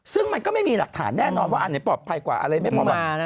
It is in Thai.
ซึ่งมันก็ไม่มีหลักฐานแน่นอนว่าอันไหนปลอดภัยกว่าอะไรไม่พอ